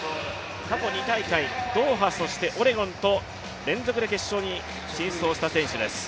過去２大会、ドーハ、そしてオレゴンと連続で決勝に進出した選手です。